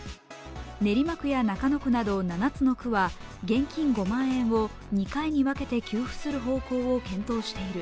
練馬区や中野区など７つの区は現金５万円を２回に分けて給付する方向を検討している。